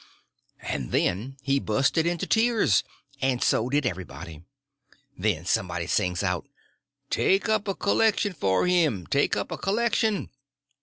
And then he busted into tears, and so did everybody. Then somebody sings out, "Take up a collection for him, take up a collection!"